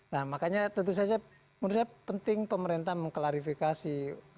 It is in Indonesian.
nah makanya tentu saja menurut saya penting pemerintah mengklarifikasi